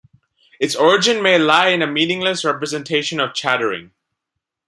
Its origin may lie in a meaningless representation of chattering.